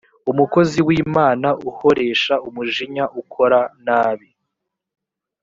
umukozi w imana uhoresha umujinya ukora nabi